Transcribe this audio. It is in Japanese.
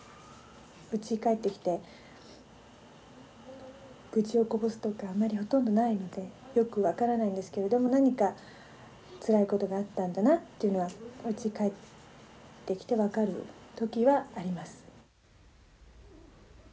うちに帰ってきて愚痴をこぼすとかあまりほとんどないのでよく分からないんですけれども何かつらいことがあったんだなっていうのはおうちに帰ってきて分かる時はあります。